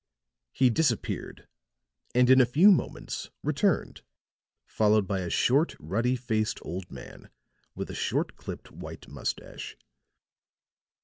He disappeared and in a few moments returned, followed by a short, ruddy faced old man with a short clipped white moustache.